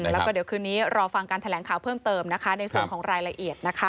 แล้วก็เดี๋ยวคืนนี้รอฟังการแถลงข่าวเพิ่มเติมนะคะในส่วนของรายละเอียดนะคะ